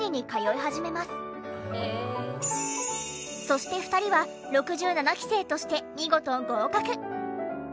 そして２人は６７期生として見事合格！